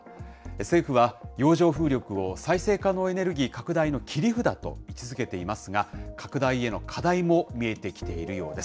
政府は、洋上風力を再生可能エネルギー拡大の切り札と位置づけていますが、拡大への課題も見えてきているようです。